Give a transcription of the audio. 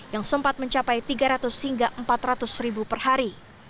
yang sempat mencapai tiga ratus hingga empat ratus ribu per hari